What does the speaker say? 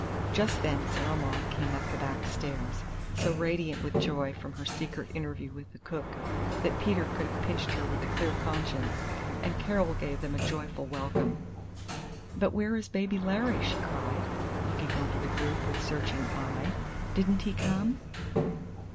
Just then Sarah Maud came up the back stairs, so radiant with joy from her secret interview with the cook, that Peter could have pinched her with a clear conscience, and Carol gave them a joyful welcome. "But where is Baby Larry?" she cried, looking over the group with searching eye. "Didn't he come?"